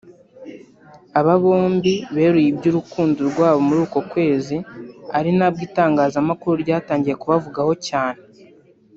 Aba bombi beruye iby’urukundo rwabo muri uko kwezi ari nabwo itangazamakuru ryatangiye kubavugaho cyane